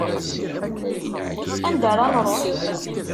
Anda ara nruḥ?